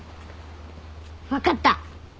分かった！